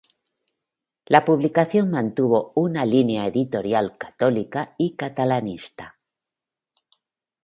La publicación mantuvo una línea editorial católica y catalanista.